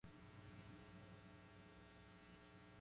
Sou maconheiro, eu confesso